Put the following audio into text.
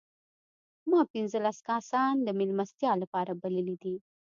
ما پنځلس کسان د مېلمستیا لپاره بللي دي.